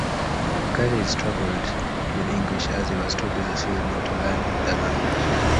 Curtiz struggled with English as he was too busy filming to learn the language.